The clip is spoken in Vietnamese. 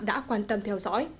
đã quan tâm theo dõi